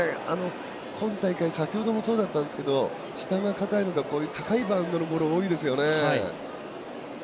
今大会先ほどもそうだったんですけど下が、かたいのか高いバウンドが多いですよね。